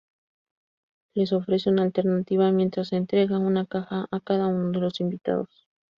Les ofrece una alternativa mientras entrega una caja a cada uno de los invitados.